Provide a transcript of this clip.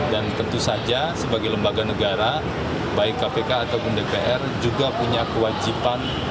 dan memperoleh kewajiban